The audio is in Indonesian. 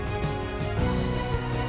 dan sembuh dijadikan fry viewed